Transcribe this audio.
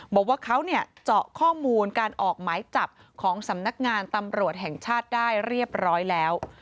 บอกว่าเขาเนี่ยเจาะข้อมูลการออกหมายจับของสำนักงานตำรวจแห่งชาติได้เรียบร้อยแล้ว